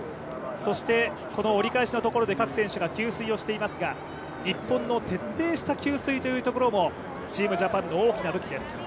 そして、この折り返しのところで各選手が給水をしていますが日本の徹底した給水というところもチームジャパンの大きな武器です。